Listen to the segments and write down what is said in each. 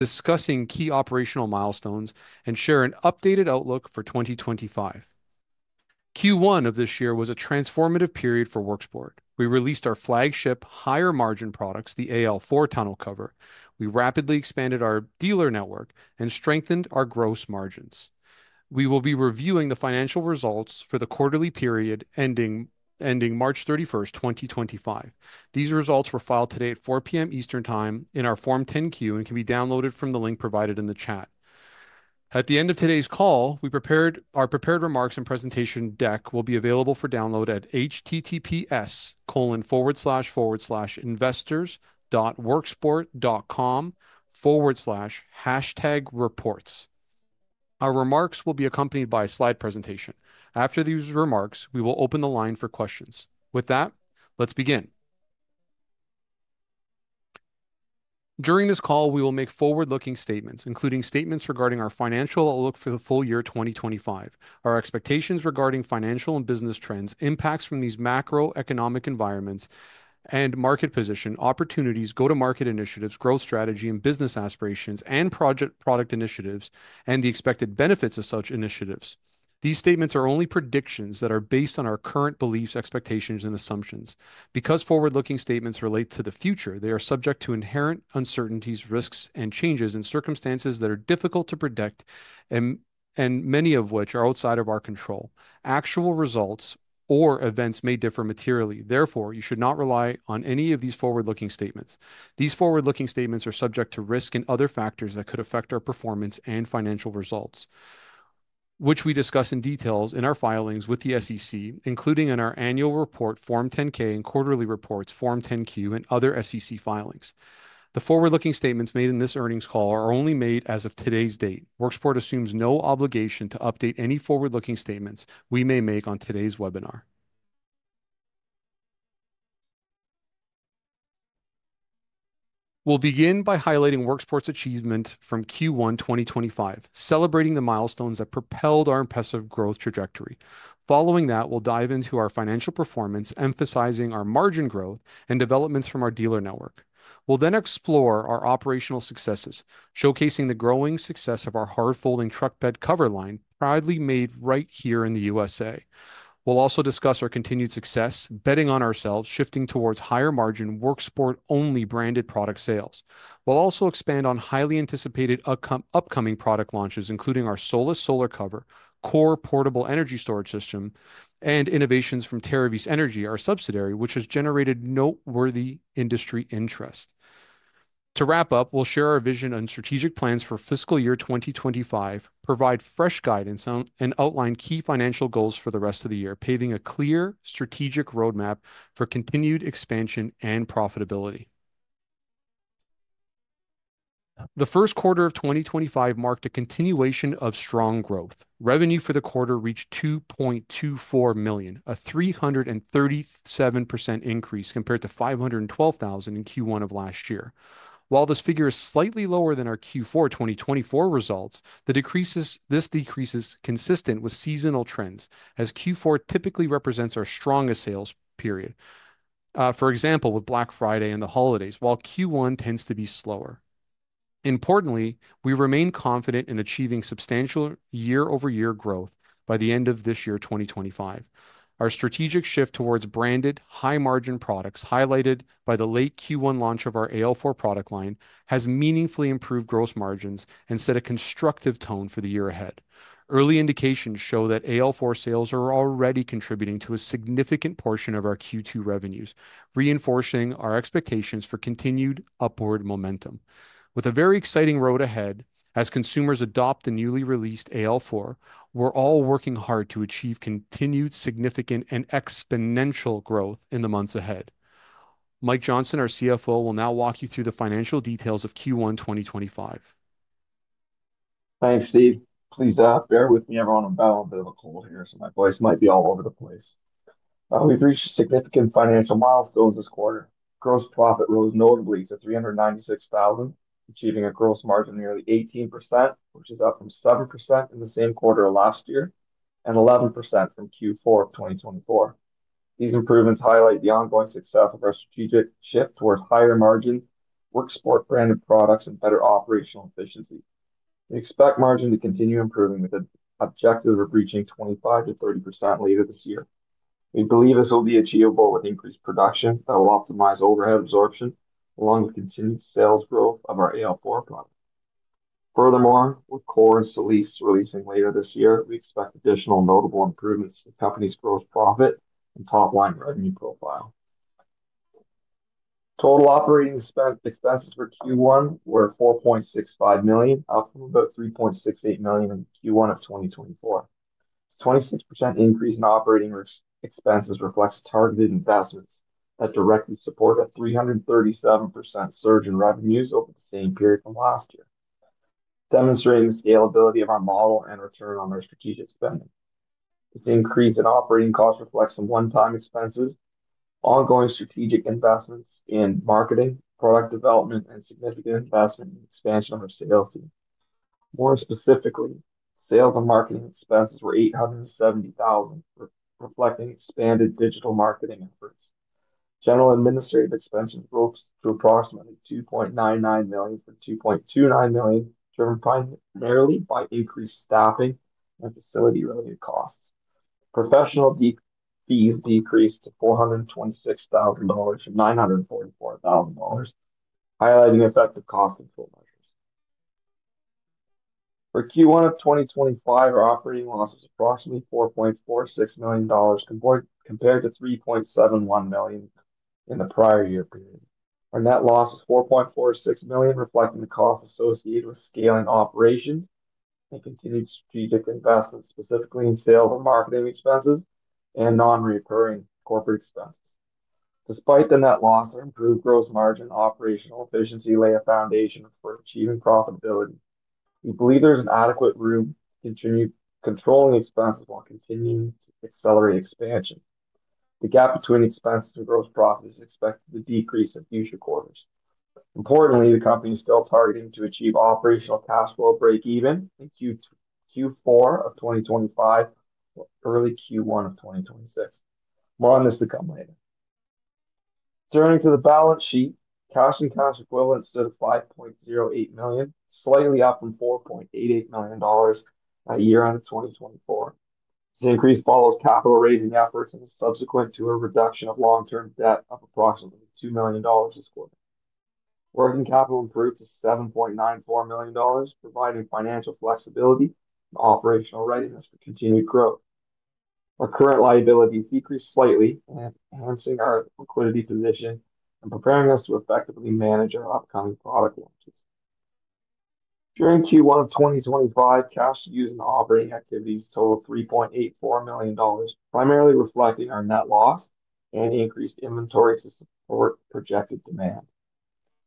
Discussing key operational milestones and share an updated outlook for 2025. Q1 of this year was a transformative period for Worksport. We released our flagship higher-margin products, the AL4 Tonneau cover. We rapidly expanded our dealer network and strengthened our gross margins. We will be reviewing the financial results for the quarterly period ending March 31st, 2025. These results were filed today at 4:00 P.M. Eastern Time in our Form 10-Q and can be downloaded from the link provided in the chat. At the end of today's call, our prepared remarks and presentation deck will be available for download at https://investors.worksport.com/reports. Our remarks will be accompanied by a slide presentation. After these remarks, we will open the line for questions. With that, let's begin. During this call, we will make forward-looking statements, including statements regarding our financial outlook for the full year 2025, our expectations regarding financial and business trends, impacts from these macroeconomic environments, and market position, opportunities, go-to-market initiatives, growth strategy, and business aspirations, and product initiatives, and the expected benefits of such initiatives. These statements are only predictions that are based on our current beliefs, expectations, and assumptions. Because forward-looking statements relate to the future, they are subject to inherent uncertainties, risks, and changes in circumstances that are difficult to predict, and many of which are outside of our control. Actual results or events may differ materially. Therefore, you should not rely on any of these forward-looking statements. These forward-looking statements are subject to risk and other factors that could affect our performance and financial results, which we discuss in detail in our filings with the SEC, including in our annual report Form 10-K and quarterly reports Form 10-Q and other SEC filings. The forward-looking statements made in this earnings call are only made as of today's date. Worksport assumes no obligation to update any forward-looking statements we may make on today's webinar. We'll begin by highlighting Worksport's achievement from Q1 2025, celebrating the milestones that propelled our impressive growth trajectory. Following that, we'll dive into our financial performance, emphasizing our margin growth and developments from our dealer network. We'll then explore our operational successes, showcasing the growing success of our hard-folding truck bed cover line, proudly made right here in the USA. We'll also discuss our continued success, betting on ourselves, shifting towards higher-margin, Worksport-only branded product sales. We'll also expand on highly anticipated upcoming product launches, including our SOLIS solar cover, COR portable energy storage system, and innovations from Terravis Energy, our subsidiary, which has generated noteworthy industry interest. To wrap up, we'll share our vision and strategic plans for fiscal year 2025, provide fresh guidance, and outline key financial goals for the rest of the year, paving a clear strategic roadmap for continued expansion and profitability. The first quarter of 2025 marked a continuation of strong growth. Revenue for the quarter reached $2.24 million, a 337% increase compared to $512,000 in Q1 of last year. While this figure is slightly lower than our Q4 2024 results, this decrease is consistent with seasonal trends, as Q4 typically represents our strongest sales period, for example, with Black Friday and the holidays, while Q1 tends to be slower. Importantly, we remain confident in achieving substantial year-over-year growth by the end of this year 2025. Our strategic shift towards branded, high-margin products, highlighted by the late Q1 launch of our AL4 product line, has meaningfully improved gross margins and set a constructive tone for the year ahead. Early indications show that AL4 sales are already contributing to a significant portion of our Q2 revenues, reinforcing our expectations for continued upward momentum. With a very exciting road ahead as consumers adopt the newly released AL4, we're all working hard to achieve continued significant and exponential growth in the months ahead. Mike Johnston, our CFO, will now walk you through the financial details of Q1 2025. Thanks, Steve. Please bear with me. Everyone in the back will be a little cold here, so my voice might be all over the place. We've reached significant financial milestones this quarter. Gross profit rose notably to $396,000, achieving a gross margin of nearly 18%, which is up from 7% in the same quarter of last year and 11% from Q4 of 2024. These improvements highlight the ongoing success of our strategic shift towards higher-margin, Worksport-branded products, and better operational efficiency. We expect margin to continue improving with an objective of reaching 25%-30% later this year. We believe this will be achievable with increased production that will optimize overhead absorption along with continued sales growth of our AL4 product. Furthermore, with COR and SOLIS launching later this year, we expect additional notable improvements for the company's gross profit and top-line revenue profile. Total operating expenses for Q1 were $4.65 million, up from about $3.68 million in Q1 of 2024. A 26% increase in operating expenses reflects targeted investments that directly support a 337% surge in revenues over the same period from last year, demonstrating the scalability of our model and return on our strategic spending. This increase in operating costs reflects some one-time expenses, ongoing strategic investments in marketing, product development, and significant investment and expansion of our sales team. More specifically, sales and marketing expenses were $870,000, reflecting expanded digital marketing efforts. General administrative expenses rose to approximately $2.99 million from $2.29 million, driven primarily by increased staffing and facility-related costs. Professional fees decreased to $426,000 from $944,000, highlighting effective cost control measures. For Q1 of 2025, our operating loss was approximately $4.46 million compared to $3.71 million in the prior year period. Our net loss was $4.46 million, reflecting the costs associated with scaling operations and continued strategic investments, specifically in sales and marketing expenses and non-recurring corporate expenses. Despite the net loss, our improved gross margin and operational efficiency lay a foundation for achieving profitability. We believe there's adequate room to continue controlling expenses while continuing to accelerate expansion. The gap between expenses and gross profit is expected to decrease in future quarters. Importantly, the company is still targeting to achieve operational cash flow break-even in Q4 of 2025 or early Q1 of 2026. More on this to come later. Turning to the balance sheet, cash and cash equivalents stood at $5.08 million, slightly up from $4.88 million at year end of 2024. This increase follows capital-raising efforts and is subsequent to a reduction of long-term debt of approximately $2 million this quarter. Working capital improved to $7.94 million, providing financial flexibility and operational readiness for continued growth. Our current liability decreased slightly, enhancing our liquidity position and preparing us to effectively manage our upcoming product launches. During Q1 of 2025, cash used in operating activities totaled $3.84 million, primarily reflecting our net loss and increased inventory to support projected demand.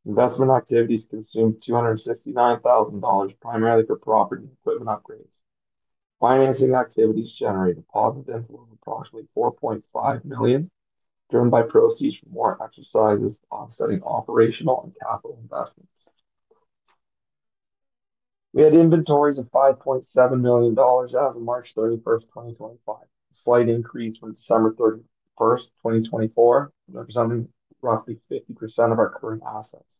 Investment activities consumed $269,000, primarily for property and equipment upgrades. Financing activities generated a positive inflow of approximately $4.5 million, driven by proceeds from warrant exercises offsetting operational and capital investments. We had inventories of $5.7 million as of March 31st, 2025, a slight increase from December 31, 2024, representing roughly 50% of our current assets.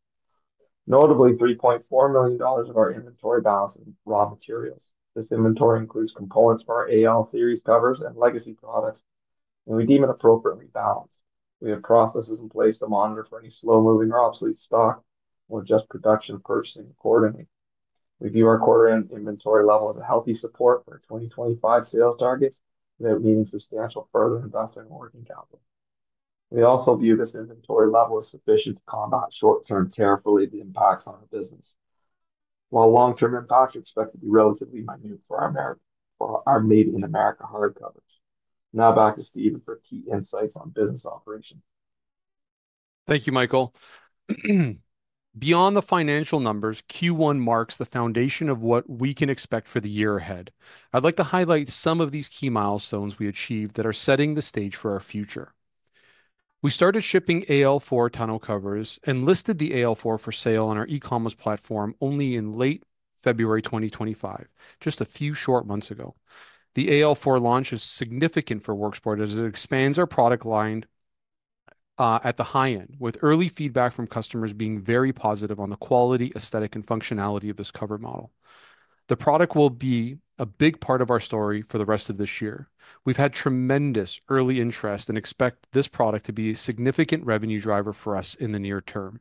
Notably, $3.4 million of our inventory balance is raw materials. This inventory includes components for our AL series covers and legacy products, and we deem it appropriately balanced. We have processes in place to monitor for any slow-moving or obsolete stock and will adjust production purchasing accordingly. We view our quarter-end inventory level as a healthy support for our 2025 sales targets, meaning substantial further investment in working capital. We also view this inventory level as sufficient to combat short-term tariff-related impacts on our business, while long-term impacts are expected to be relatively minute for our made-in-America hard covers. Now back to Steven for key insights on business operations. Thank you, Michael. Beyond the financial numbers, Q1 marks the foundation of what we can expect for the year ahead. I'd like to highlight some of these key milestones we achieved that are setting the stage for our future. We started shipping AL4 tonneau covers and listed the AL4 for sale on our e-commerce platform only in late February 2024, just a few short months ago. The AL4 launch is significant for Worksport as it expands our product line at the high end, with early feedback from customers being very positive on the quality, aesthetic, and functionality of this cover model. The product will be a big part of our story for the rest of this year. We've had tremendous early interest and expect this product to be a significant revenue driver for us in the near term.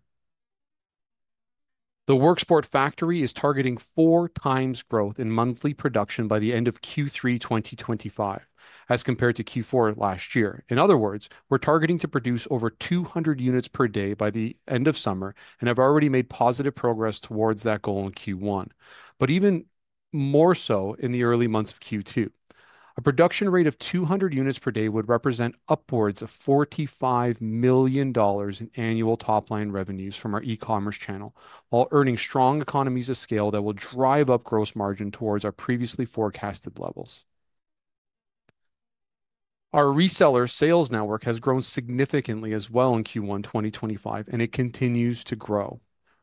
The Worksport factory is targeting 4x growth in monthly production by the end of Q3 2025, as compared to Q4 last year. In other words, we're targeting to produce over 200 units per day by the end of summer and have already made positive progress towards that goal in Q1, but even more so in the early months of Q2. A production rate of 200 units per day would represent upwards of $45 million in annual top-line revenues from our e-commerce channel, while earning strong economies of scale that will drive up gross margin towards our previously forecasted levels. Our reseller sales network has grown significantly as well in Q1 2025, and it continues to grow.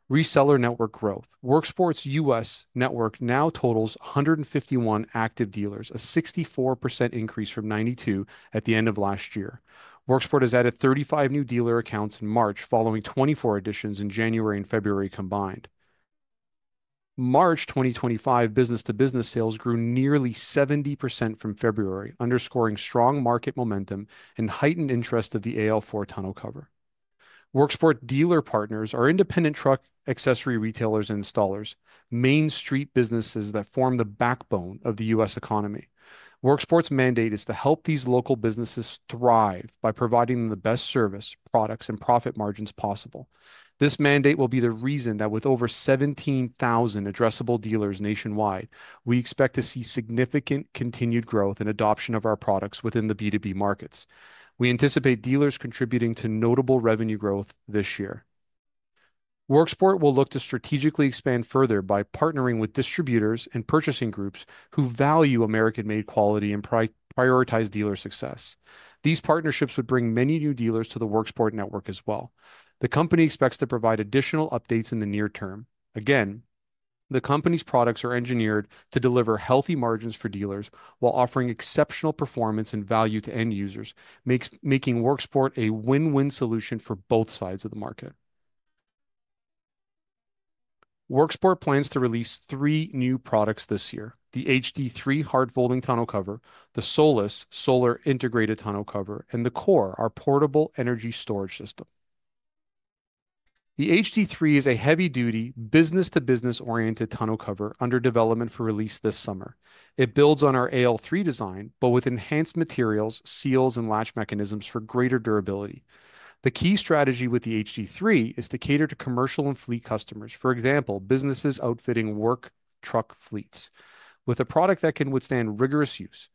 Reseller network growth. Worksport's U.S. network now totals 151 active dealers, a 64% increase from 92 at the end of last year. Worksport has added 35 new dealer accounts in March, following 24 additions in January and February combined. March 2025 business-to-business sales grew nearly 70% from February, underscoring strong market momentum and heightened interest of the AL4 tonneau cover. Worksport dealer partners are independent truck accessory retailers and installers, main street businesses that form the backbone of the U.S. economy. Worksport's mandate is to help these local businesses thrive by providing them the best service, products, and profit margins possible. This mandate will be the reason that with over 17,000 addressable dealers nationwide, we expect to see significant continued growth and adoption of our products within the B2B markets. We anticipate dealers contributing to notable revenue growth this year. Worksport will look to strategically expand further by partnering with distributors and purchasing groups who value American-made quality and prioritize dealer success. These partnerships would bring many new dealers to the Worksport network as well. The company expects to provide additional updates in the near term. Again, the company's products are engineered to deliver healthy margins for dealers while offering exceptional performance and value to end users, making Worksport a win-win solution for both sides of the market. Worksport plans to release three new products this year: the HD3 hard-folding tonneau cover, the SOLIS solar integrated tonneau cover, and the COR, our portable energy storage system. The HD3 is a heavy-duty, business-to-business oriented tonneau cover under development for release this summer. It builds on our AL3 design, but with enhanced materials, seals, and latch mechanisms for greater durability. The key strategy with the HD3 is to cater to commercial and fleet customers, for example, businesses outfitting work truck fleets, with a product that can withstand rigorous use.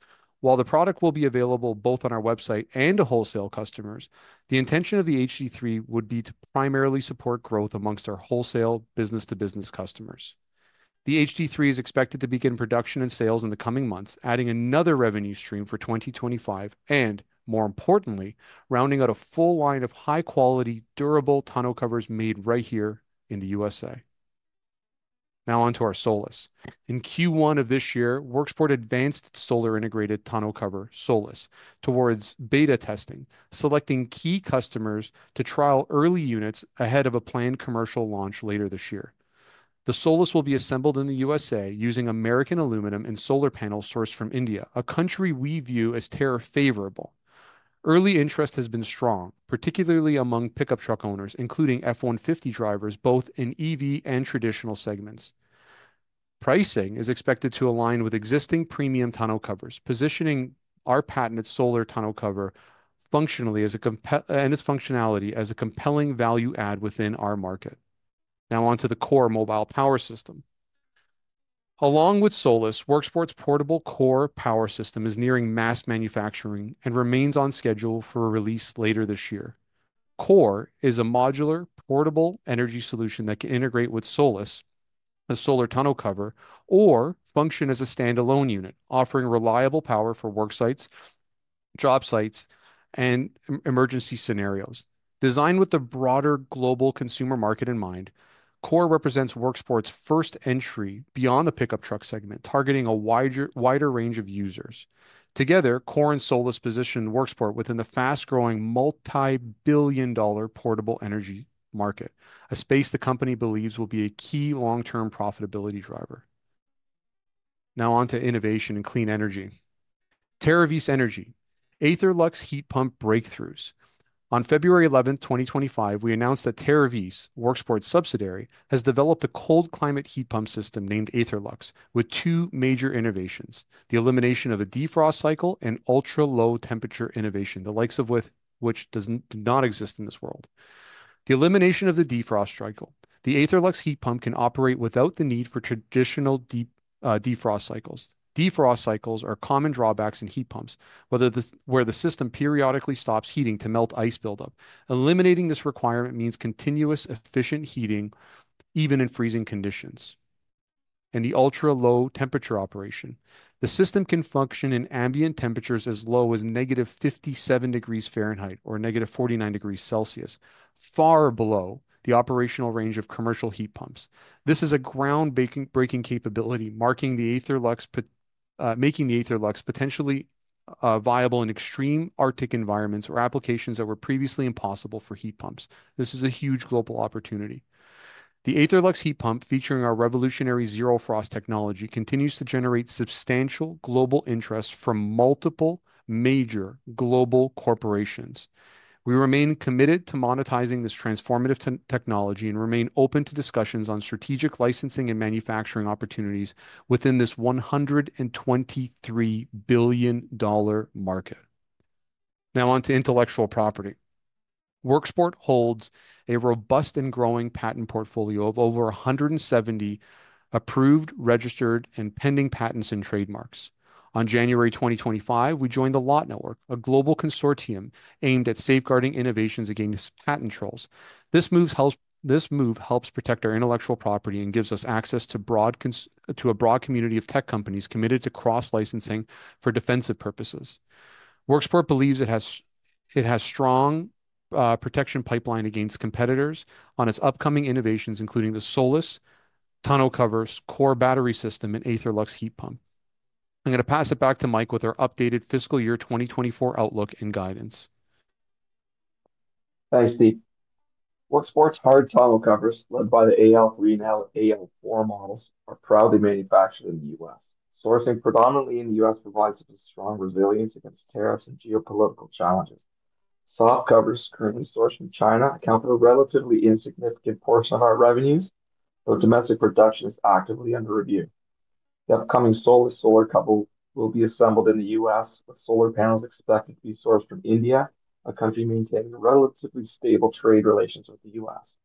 While the product will be available both on our website and to wholesale customers, the intention of the HD3 would be to primarily support growth amongst our wholesale business-to-business customers. The HD3 is expected to begin production and sales in the coming months, adding another revenue stream for 2025 and, more importantly, rounding out a full line of high-quality, durable tonneau covers made right here in the USA. Now on to our SOLIS. In Q1 of this year, Worksport advanced its solar integrated tonneau cover, SOLIS, towards beta testing, selecting key customers to trial early units ahead of a planned commercial launch later this year. The SOLIS will be assembled in the USA using American aluminum and solar panels sourced from India, a country we view as tariff-favorable. Early interest has been strong, particularly among pickup truck owners, including F-150 drivers both in EV and traditional segments. Pricing is expected to align with existing premium tonneau covers, positioning our patented solar tonneau cover functionally and its functionality as a compelling value add within our market. Now on to the COR mobile power system. Along with SOLIS, Worksport's portable COR power system is nearing mass manufacturing and remains on schedule for a release later this year. COR, is a modular, portable energy solution that can integrate with SOLIS, the solar tonneau cover, or function as a standalone unit, offering reliable power for work sites, job sites, and emergency scenarios. Designed with the broader global consumer market in mind, COR represents Worksport's first entry beyond the pickup truck segment, targeting a wider range of users. Together, COR and SOLIS position Worksport within the fast-growing multi-billion dollar portable energy market, a space the company believes will be a key long-term profitability driver. Now on to innovation and clean energy. Terravis Energy. Aetherlux heat pump breakthroughs. On February 11th, 2025, we announced that Terravis, Worksport's subsidiary, has developed a cold-climate heat pump system named Aetherlux with two major innovations: the elimination of a defrost cycle and ultra-low temperature innovation, the likes of which do not exist in this world. The elimination of the defrost cycle. The Aetherlux heat pump can operate without the need for traditional defrost cycles. Defrost cycles are common drawbacks in heat pumps, where the system periodically stops heating to melt ice buildup. Eliminating this requirement means continuous efficient heating, even in freezing conditions, and the ultra-low temperature operation. The system can function in ambient temperatures as low as negative 57 degrees Fahrenheit or -49 degrees Celsius, far below the operational range of commercial heat pumps. This is a groundbreaking capability, making the Aetherlux potentially viable in extreme Arctic environments or applications that were previously impossible for heat pumps. This is a huge global opportunity. The Aetherlux heat pump, featuring our revolutionary zero frost technology, continues to generate substantial global interest from multiple major global corporations. We remain committed to monetizing this transformative technology and remain open to discussions on strategic licensing and manufacturing opportunities within this $123 billion market. Now on to intellectual property. Worksport holds a robust and growing patent portfolio of over 170 approved, registered, and pending patents and trademarks. On January 2025, we joined the LOT Network, a global consortium aimed at safeguarding innovations against patent trolls. This move helps protect our intellectual property and gives us access to a broad community of tech companies committed to cross-licensing for defensive purposes. Worksport believes it has a strong protection pipeline against competitors on its upcoming innovations, including the SOLIS tonneau covers, COR battery system, and Aetherlux heat pump. I'm going to pass it back to Mike with our updated fiscal year 2024 outlook and guidance. Thanks, Steve. Worksport's hard tonneau covers, led by the AL3 and now AL4 models, are proudly manufactured in the U.S. Sourcing predominantly in the U.S. provides a strong resilience against tariffs and geopolitical challenges. Soft covers, currently sourced from China, account for a relatively insignificant portion of our revenues, though domestic production is actively under review. The upcoming SOLIS solar covers will be assembled in the U.S., with solar panels expected to be sourced from India, a country maintaining relatively stable trade relations with the U.S.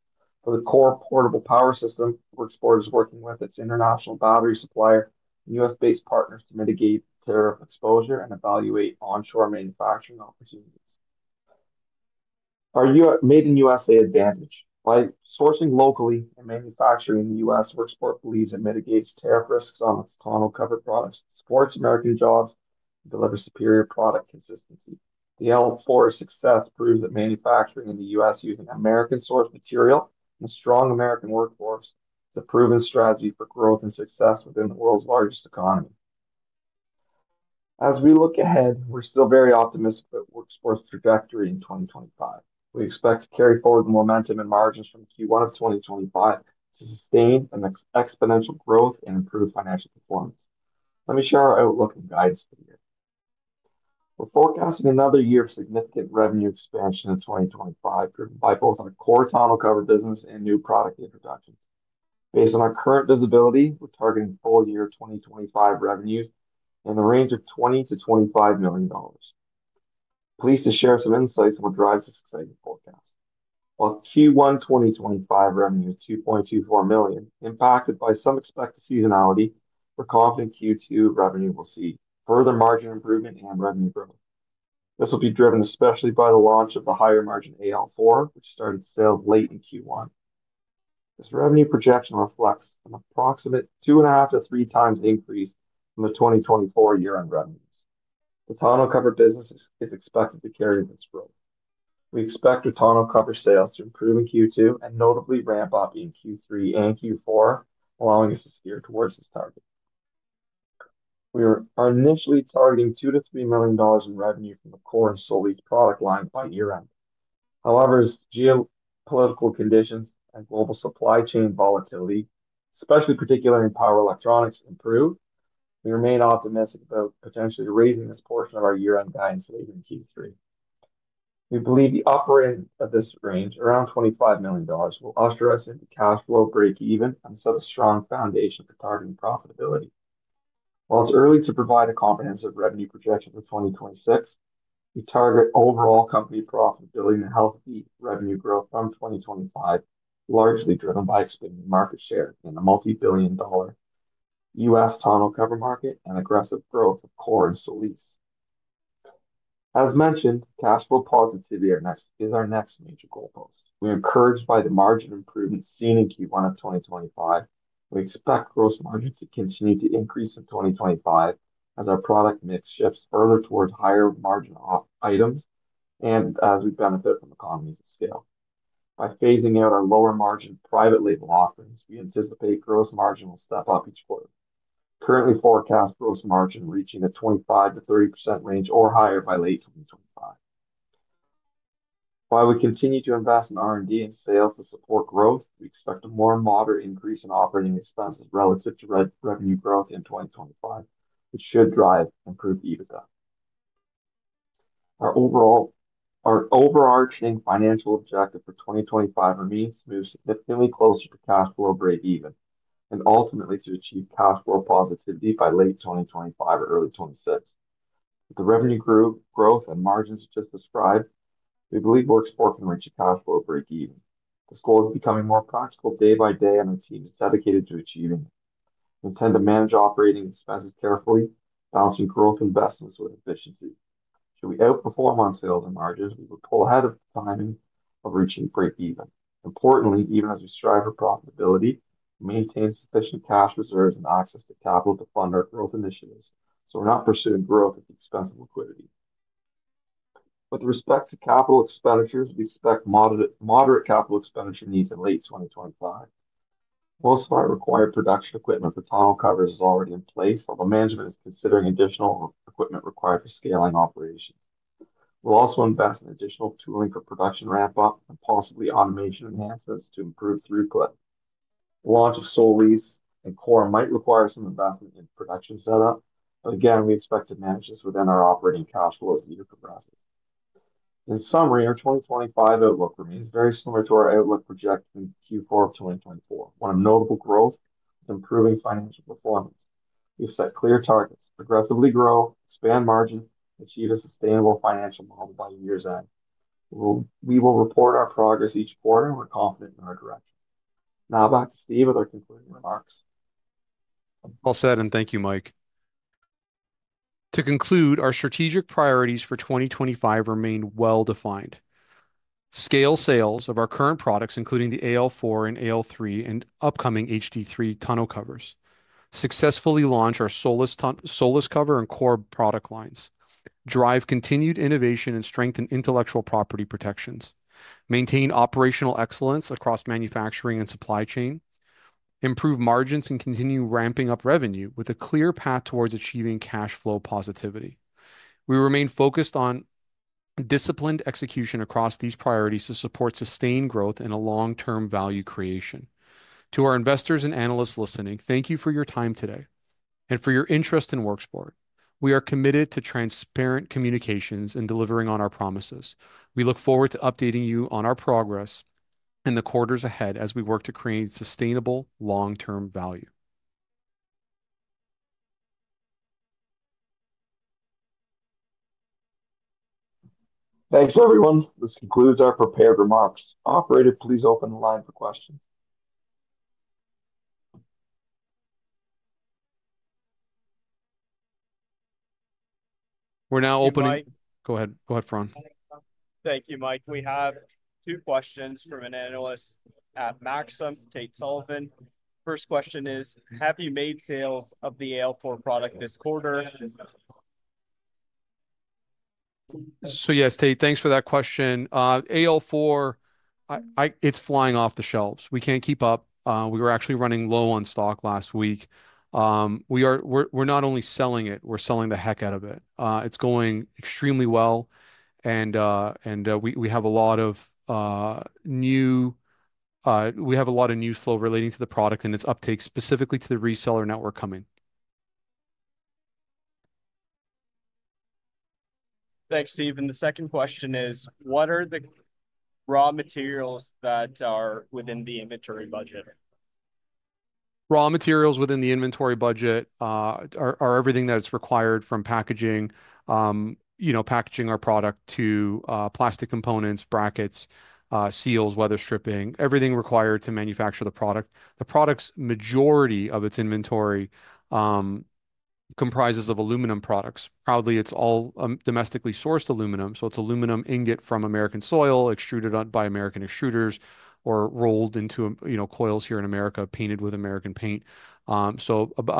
For the COR portable power system, Worksport is working with its international battery supplier and U.S.-based partners to mitigate tariff exposure and evaluate onshore manufacturing opportunities. Our made-in-U.S. advantage. By sourcing locally and manufacturing in the U.S., Worksport believes it mitigates tariff risks on its tonneau cover products, supports American jobs, and delivers superior product consistency. The AL4's success proves that manufacturing in the U.S. using American-sourced material and a strong American workforce is a proven strategy for growth and success within the world's largest economy. As we look ahead, we're still very optimistic about Worksport's trajectory in 2025. We expect to carry forward the momentum and margins from Q1 of 2025 to sustain exponential growth and improve financial performance. Let me share our outlook and guidance for the year. We're forecasting another year of significant revenue expansion in 2025, driven by both our COR tonneau cover business and new product introductions. Based on our current visibility, we're targeting full-year 2025 revenues in the range of $20 million-$25 million. Pleased to share some insights on what drives this exciting forecast. While Q1 2025 revenue of $2.24 million impacted by some expected seasonality, we're confident Q2 revenue will see further margin improvement and revenue growth. This will be driven especially by the launch of the higher-margin AL4, which started sales late in Q1. This revenue projection reflects an approximate 2.5x-3x increase from the 2024 year-end revenues. The tonneau cover business is expected to carry into its growth. We expect the tonneau cover sales to improve in Q2 and notably ramp up in Q3 and Q4, allowing us to steer towards this target. We are initially targeting $2-$3 million in revenue from the COR and SOLIS product line by year-end. However, as geopolitical conditions and global supply chain volatility, especially particularly in power electronics, improve, we remain optimistic about potentially raising this portion of our year-end guidance later in Q3. We believe the upper end of this range, around $25 million, will usher us into cash flow break-even and set a strong foundation for targeting profitability. While it's early to provide a comprehensive revenue projection for 2026, we target overall company profitability and healthy revenue growth from 2025, largely driven by expanding market share in the multi-billion dollar U.S. tonneau cover market and aggressive growth of COR and SOLIS. As mentioned, cash flow positivity is our next major goalpost. We are encouraged by the margin improvement seen in Q1 of 2025. We expect gross margin to continue to increase in 2025 as our product mix shifts further towards higher-margin items and as we benefit from economies of scale. By phasing out our lower-margin private label offerings, we anticipate gross margin will step up each quarter. Currently forecast gross margin reaching a 25-30% range or higher by late 2025. While we continue to invest in R&D and sales to support growth, we expect a more moderate increase in operating expenses relative to revenue growth in 2025, which should drive improved EBITDA. Our overarching financial objective for 2025 remains to move significantly closer to cash flow break-even and ultimately to achieve cash flow positivity by late 2025 or early 2026. With the revenue growth and margins just described, we believe Worksport can reach a cash flow break-even. This goal is becoming more practical day by day and our team is dedicated to achieving it. We intend to manage operating expenses carefully, balancing growth investments with efficiency. Should we outperform on sales and margins, we will pull ahead of the timing of reaching break-even. Importantly, even as we strive for profitability, we maintain sufficient cash reserves and access to capital to fund our growth initiatives, so we're not pursuing growth at the expense of liquidity. With respect to capital expenditures, we expect moderate capital expenditure needs in late 2025. Most of our required production equipment for Tonneau covers is already in place, although management is considering additional equipment required for scaling operations. We'll also invest in additional tooling for production ramp-up and possibly automation enhancements to improve throughput. The launch of SOLIS and COR might require some investment in production setup, but again, we expect to manage this within our operating cash flow as the year progresses. In summary, our 2025 outlook remains very similar to our outlook projected in Q4 of 2024, one of notable growth and improving financial performance. We set clear targets, progressively grow, expand margin, and achieve a sustainable financial model by year-end. We will report our progress each quarter, and we're confident in our direction. Now back to Steve with our concluding remarks. All said, and thank you, Mike. To conclude, our strategic priorities for 2025 remain well-defined. Scale sales of our current products, including the AL4 and AL3 and upcoming HD3 Tonneau covers. Successfully launch our SOLIS cover and COR product lines. Drive continued innovation and strengthen intellectual property protections. Maintain operational excellence across manufacturing and supply chain. Improve margins and continue ramping up revenue with a clear path towards achieving cash flow positivity. We remain focused on disciplined execution across these priorities to support sustained growth and long-term value creation. To our investors and analysts listening, thank you for your time today and for your interest in Worksport. We are committed to transparent communications and delivering on our promises. We look forward to updating you on our progress in the quarters ahead as we work to create sustainable long-term value. Thanks, everyone. This concludes our prepared remarks. Operator, please open the line for questions. We're now opening. Go ahead. Go ahead, Faran. Thank you, Mike. We have two questions from an analyst at Maxim, Tate Sullivan. First question is, have you made sales of the AL4 product this quarter? Yes, Tate, thanks for that question. AL4, it's flying off the shelves. We can't keep up. We were actually running low on stock last week. We are not only selling it, we're selling the heck out of it. It's going extremely well, and we have a lot of news flow relating to the product and its uptake, specifically to the reseller network coming. Thanks, Steve. The second question is, what are the raw materials that are within the inventory budget? Raw materials within the inventory budget are everything that's required from packaging, you know, packaging our product to plastic components, brackets, seals, weather stripping, everything required to manufacture the product. The product's majority of its inventory comprises of aluminum products. Proudly, it's all domestically sourced aluminum, so it's aluminum ingot from American soil, extruded by American extruders, or rolled into coils here in America, painted with American paint. I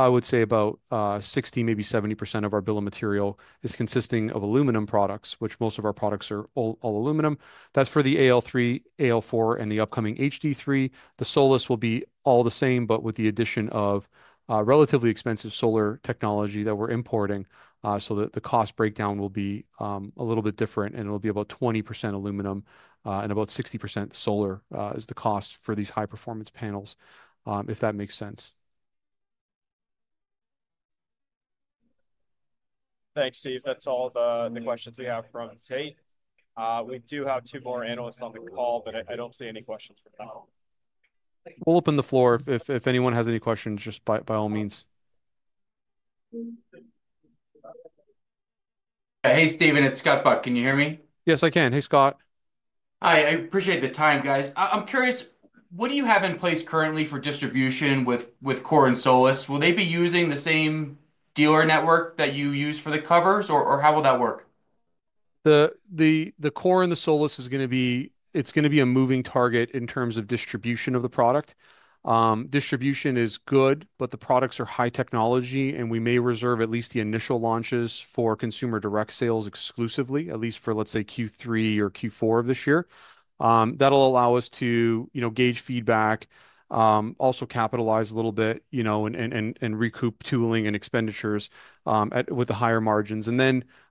would say about 60%, maybe 70% of our bill of material is consisting of aluminum products, which most of our products are all aluminum. That's for the AL3, AL4, and the upcoming HD3. The SOLiS will be all the same, but with the addition of relatively expensive solar technology that we're importing, so the cost breakdown will be a little bit different, and it'll be about 20% aluminum and about 60% solar is the cost for these high-performance panels, if that makes sense. Thanks, Steve. That's all the questions we have from Tate. We do have two more analysts on the call, but I don't see any questions for now. We'll open the floor. If anyone has any questions, just by all means. Hey, Steven, it's Scott Buck. Can you hear me? Yes, I can. Hey, Scott. Hi. I appreciate the time, guys. I'm curious, what do you have in place currently for distribution with COR and SOLIS? Will they be using the same dealer network that you use for the covers, or how will that work? The COR and the SOLIS is going to be, it's going to be a moving target in terms of distribution of the product. Distribution is good, but the products are high technology, and we may reserve at least the initial launches for consumer direct sales exclusively, at least for, let's say, Q3 or Q4 of this year. That'll allow us to gauge feedback, also capitalize a little bit, and recoup tooling and expenditures with the higher margins.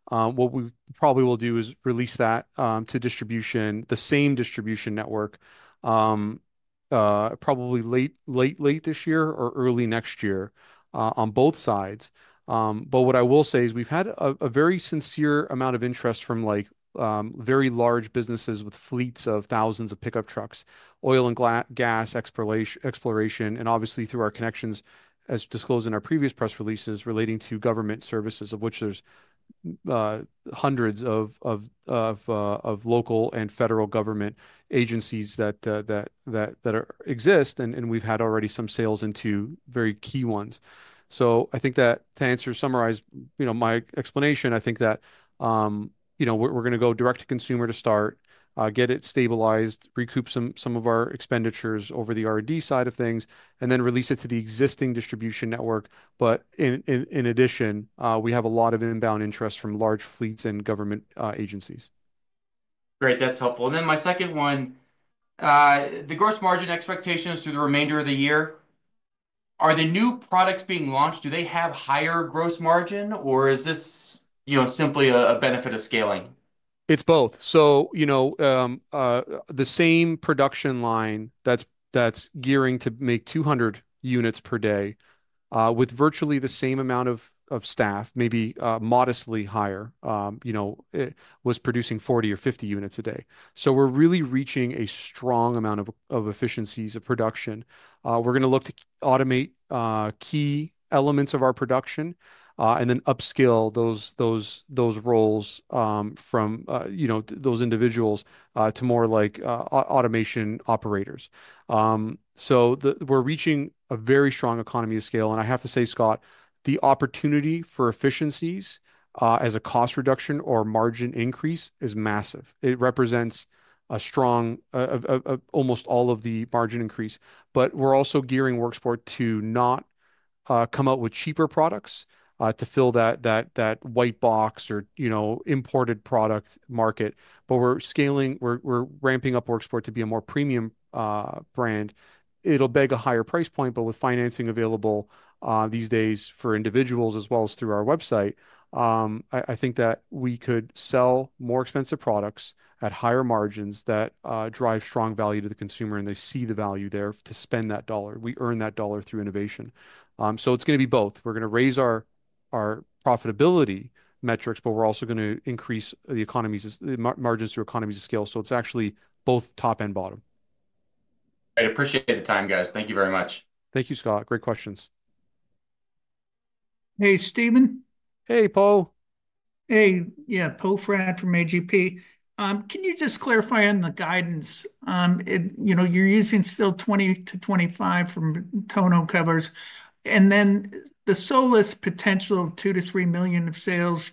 What we probably will do is release that to distribution, the same distribution network, probably late this year or early next year on both sides. What I will say is we've had a very sincere amount of interest from very large businesses with fleets of thousands of pickup trucks, oil and gas exploration, and obviously through our connections, as disclosed in our previous press releases relating to government services, of which there are hundreds of local and federal government agencies that exist, and we've had already some sales into very key ones. I think that to answer, summarize my explanation, I think that we're going to go direct to consumer to start, get it stabilized, recoup some of our expenditures over the R&D side of things, and then release it to the existing distribution network. In addition, we have a lot of inbound interest from large fleets and government agencies. Great. That's helpful. My second one, the gross margin expectations through the remainder of the year, are the new products being launched, do they have higher gross margin, or is this simply a benefit of scaling? It's both. The same production line that's gearing to make 200 units per day with virtually the same amount of staff, maybe modestly higher, was producing 40 or 50 units a day. We're really reaching a strong amount of efficiencies of production. We're going to look to automate key elements of our production and then upskill those roles from those individuals to more like automation operators. We're reaching a very strong economy of scale. I have to say, Scott, the opportunity for efficiencies as a cost reduction or margin increase is massive. It represents a strong almost all of the margin increase. We're also gearing Worksport to not come out with cheaper products to fill that white box or imported product market. We're scaling, we're ramping up Worksport to be a more premium brand. It'll beg a higher price point, but with financing available these days for individuals as well as through our website, I think that we could sell more expensive products at higher margins that drive strong value to the consumer, and they see the value there to spend that dollar. We earn that dollar through innovation. It is going to be both. We are going to raise our profitability metrics, but we are also going to increase the margins through economies of scale. It is actually both top and bottom. I appreciate the time, guys. Thank you very much. Thank you, Scott. Great questions. Hey, Steven. Hey, Paul. Hey, yeah, Paul Fran from AGP. Can you just clarify on the guidance? You're using still $20 milliom-$25 million for Tonneau covers. And then the SOLIS potential of $2 million-$3 million of sales,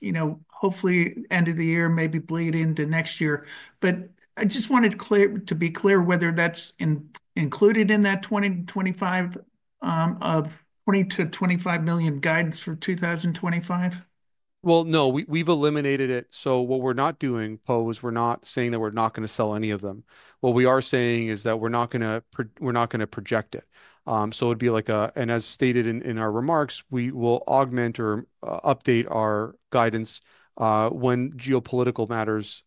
hopefully end of the year, maybe bleed into next year. But I just wanted to be clear whether that's included in that $20 million-$25 million guidance for 2025. No, we've eliminated it. What we're not doing, Paul, is we're not saying that we're not going to sell any of them. What we are saying is that we're not going to project it. It would be like a, and as stated in our remarks, we will augment or update our guidance when geopolitical matters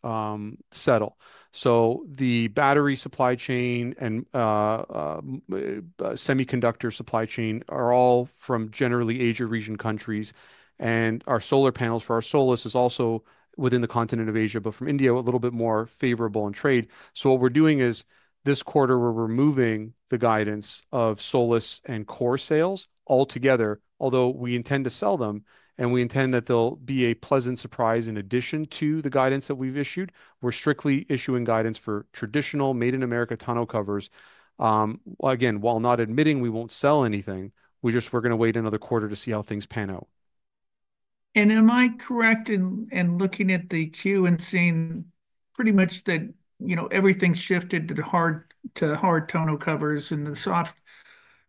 settle. The battery supply chain and semiconductor supply chain are all from generally Asia region countries. Our solar panels for our SOLIS is also within the continent of Asia, but from India, a little bit more favorable in trade. What we're doing is this quarter, we're removing the guidance of SOLIS and COR sales altogether, although we intend to sell them, and we intend that they'll be a pleasant surprise in addition to the guidance that we've issued. We're strictly issuing guidance for traditional made-in-America Tonneau covers. Again, while not admitting we won't sell anything, we're just going to wait another quarter to see how things pan out. Am I correct in looking at the queue and seeing pretty much that everything's shifted to hard Tonneau covers and the soft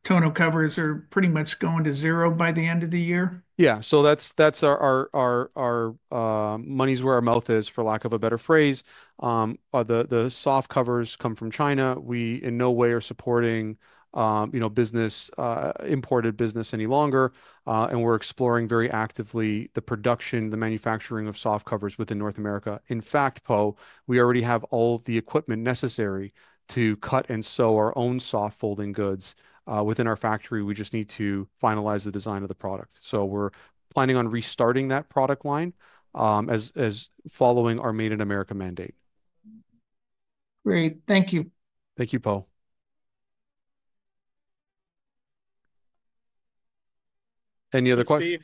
Tonneau covers are pretty much going to zero by the end of the year? Yeah. So that's our money's where our mouth is, for lack of a better phrase. The soft covers come from China. We in no way are supporting imported business any longer, and we're exploring very actively the production, the manufacturing of soft covers within North America. In fact, Paul, we already have all the equipment necessary to cut and sew our own soft folding goods within our factory. We just need to finalize the design of the product. We are planning on restarting that product line as following our made-in-America mandate. Great. Thank you. Thank you, Paul. Any other questions? Steve,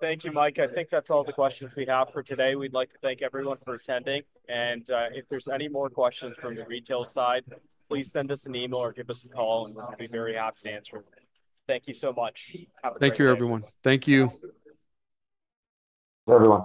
thank you, Mike. I think that's all the questions we have for today. We'd like to thank everyone for attending. If there's any more questions from the retail side, please send us an email or give us a call, and we'll be very happy to answer them. Thank you so much. Thank you, everyone. Thank you.